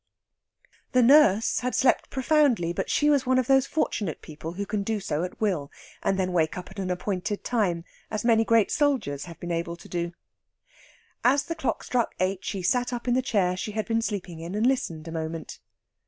The nurse had slept profoundly, but she was one of those fortunate people who can do so at will, and then wake up at an appointed time, as many great soldiers have been able to do. As the clock struck eight she sat up in the chair she had been sleeping in and listened a moment.